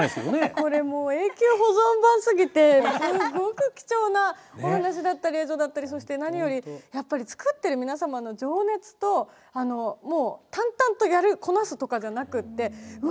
これもう永久保存版すぎてすごく貴重なお話だったり映像だったりそして何よりやっぱり作ってる皆様の情熱と淡々とやるこなすとかじゃなくってうわ